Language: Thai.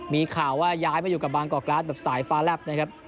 มีข่าวว่าย้ายมาอยู่กับบางกอกกราศแบบสายฟ้าแลบนะครับ